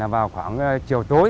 vào khoảng chiều tối